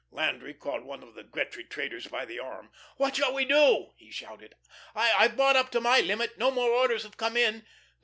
Landry caught one of the Gretry traders by the arm. "What shall we do?" he shouted. "I've bought up to my limit. No more orders have come in.